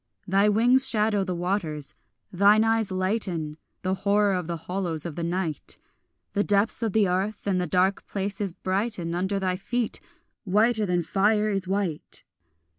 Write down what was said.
Thy wings shadow the waters; thine eyes lighten The horror of the hollows of the night; The depths of the earth and the dark places brighten Under thy feet, whiter than fire is white.